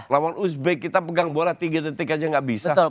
lawan uzbek kita pegang bola tiga detik aja nggak bisa